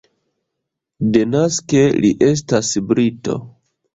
Denaske li estas brito.